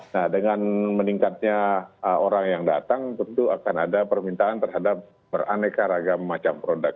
nah dengan meningkatnya orang yang datang tentu akan ada permintaan terhadap beraneka ragam macam produk